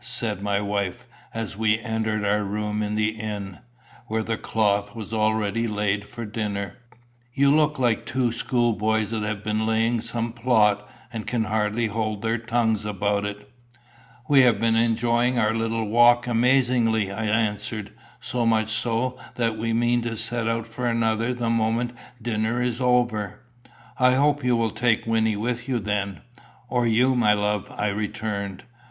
said my wife, as we entered our room in the inn, where the cloth was already laid for dinner. "You look just like two schoolboys that have been laying some plot, and can hardly hold their tongues about it." "We have been enjoying our little walk amazingly," I answered. "So much so, that we mean to set out for another the moment dinner is over." "I hope you will take Wynnie with you then." "Or you, my love," I returned.